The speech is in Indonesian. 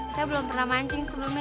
saya belum pernah mancing sebelumnya